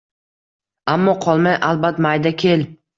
Ammo qolmay albat mayda kel